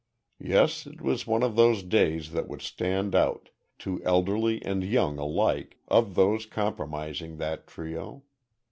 Yes, it was one of those days that would stand out, to elderly and young alike, of those comprising that trio.